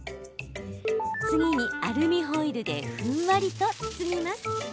次に、アルミホイルでふんわりと包みます。